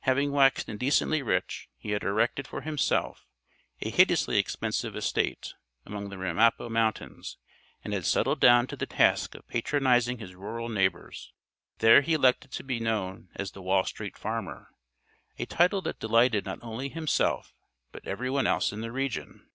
Having waxed indecently rich, he had erected for himself a hideously expensive estate among the Ramapo Mountains and had settled down to the task of patronizing his rural neighbors. There he elected to be known as the "Wall Street Farmer," a title that delighted not only himself but everyone else in the region.